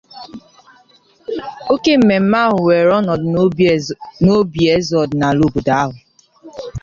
Oke mmemme ahụ wèèrè ọnọdụ n'obi eze ọdịnala obodo ahụ